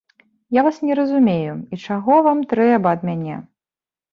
Я вас не разумею, і чаго вам трэба ад мяне?